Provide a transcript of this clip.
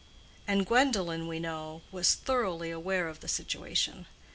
And Gwendolen, we know, was thoroughly aware of the situation.